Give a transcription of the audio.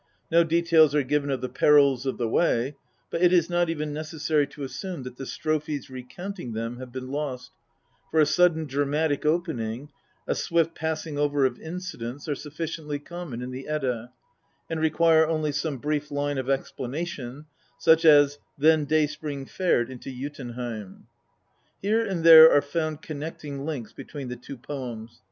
No details are given of the perils of the way, but it is not even necessary to assume that the strophes recounting them have been lost, for a sudden dramatic opening, a swift passing over of incidents, are sufficiently common in the Edda, and require only some brief line of explanation, such as " Then Day spring fared into Jotunheim." Here and there are found connecting links between the poems.